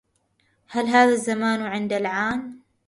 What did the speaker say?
أهل هذا الزمان عند العان